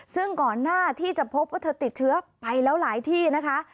ซึ่งก่อนหน้าที่จะพบว่าเธอติดเชื้อไปแล้วหลายที่นะคะ